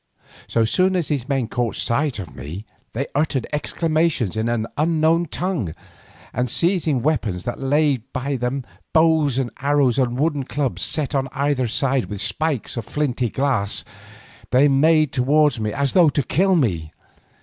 So soon as these men caught sight of me they uttered exclamations in an unknown tongue and seizing weapons that lay by them, bows and arrows and wooden clubs set on either side with spikes of flinty glass, they made towards me as though to kill me.